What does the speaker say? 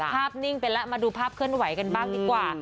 นิ่งไปแล้วมาดูภาพเคลื่อนไหวกันบ้างดีกว่า